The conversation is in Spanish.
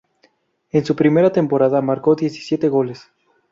En su primera temporada marcó diecisiete goles.